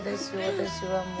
私はもう。